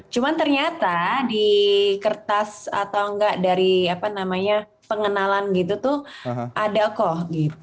cuman ternyata di kertas atau enggak dari pengenalan gitu tuh ada kok